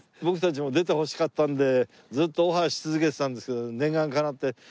僕たちも出てほしかったのでずっとオファーし続けてたんですけど念願かなって。